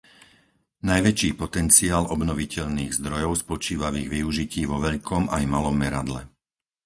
Najväčší potenciál obnoviteľných zdrojov spočíva v ich využití vo veľkom aj malom meradle.